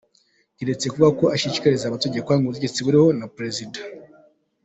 Keretse kuvuga ko ashishikariza abaturage kwanga ubutegetsi buriho na perezida.